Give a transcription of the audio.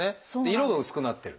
色が薄くなってる。